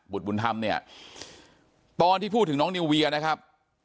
บุญธรรมเนี่ยตอนที่พูดถึงน้องนิวเวียนะครับ